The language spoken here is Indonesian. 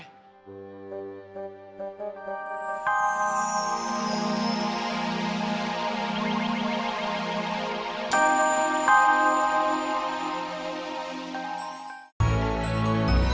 sampai jumpa lagi